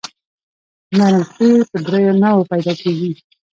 نرم قیر په دریو نوعو پیدا کیږي